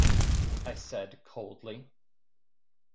I said coldly.